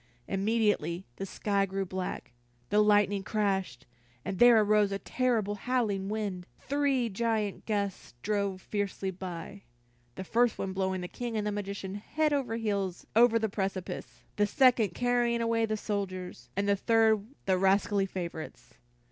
Immediately the sky grew black, the lightning crashed, and there arose a terrible, howling wind. Three giant gusts drove fiercely by, the first one blowing the King and the magician head over heels over the precipice, the second carrying away the soldiers, and the third the rascally favorites.